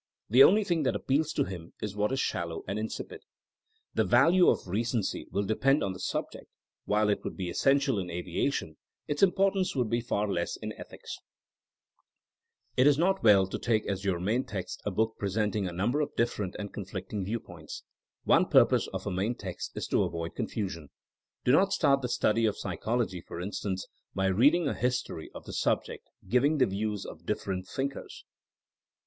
The only thing that appeals to him is what is shallow and in sipid. *' The value of recency will depend on the sub ject ; while it would be essential in aviation, its importance would be far less in ethics. THINEINO AS A 80IEN0E 157 It is not well to take as your main text a book presenting a number of different and conflicting viewpoints. One purpose of a main text is to avoid confusion. Do not start the study of psychology, for instance, by reading a history of the subject giving the views of different think ers.